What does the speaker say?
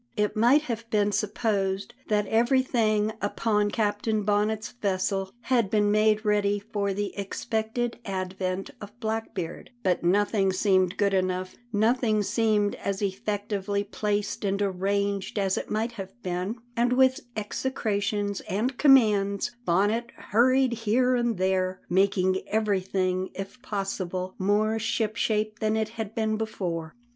It might have been supposed that everything upon Captain Bonnet's vessel had been made ready for the expected advent of Blackbeard, but nothing seemed good enough, nothing seemed as effectively placed and arranged as it might have been; and with execrations and commands, Bonnet hurried here and there, making everything, if possible, more ship shape than it had been before.